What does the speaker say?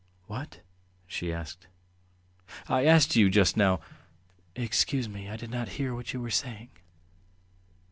"What?" she asked. "I asked you just now. ..." "Excuse me, I did not hear what you were saying."